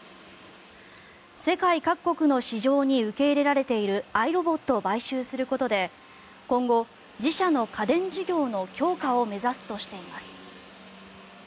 世界各国の市場に受け入れられているアイロボットを買収することで今後、自社の家電事業の強化を目指すとしています。